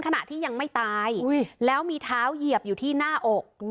ขณะที่ยังไม่ตายแล้วมีเท้าเหยียบอยู่ที่หน้าอก